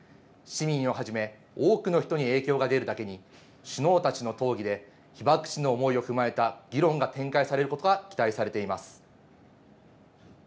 市民をはじめ、多くの人に影響が出るだけに首脳たちの討議で被爆地の思いを踏まえた議論が展開されることが期待されています。